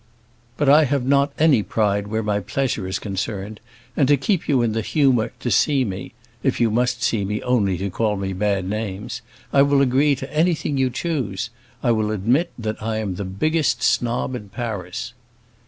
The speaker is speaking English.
But I have not any pride where my pleasure is concerned, and to keep you in the humor to see me—if you must see me only to call me bad names—I will agree to anything you choose; I will admit that I am the biggest snob in Paris."